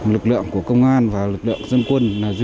lực lượng của công an và lực lượng dân quân